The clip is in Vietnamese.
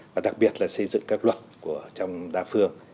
và đặc biệt là xây dựng các luật trong đa phương